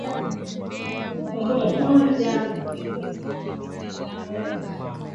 Alihudumu chini ya Makamu wa Rais Mohamed Gharib Bilal